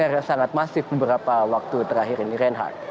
dan ini adalah hal yang sangat masif beberapa waktu terakhir ini reinhard